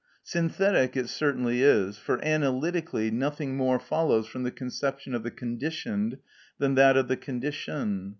Synthetic it certainly is; for, analytically, nothing more follows from the conception of the conditioned than that of the condition.